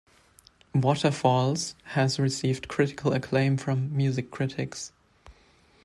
"Waterfalls" has received critical acclaim from music critics.